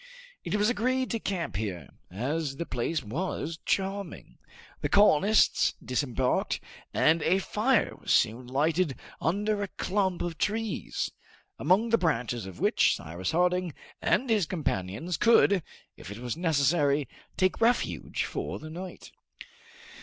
It was agreed to camp here, as the place was charming. The colonists disembarked, and a fire was soon lighted under a clump of trees, among the branches of which Cyrus Harding and his companions could, if it was necessary, take refuge for the night.